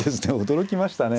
驚きましたね。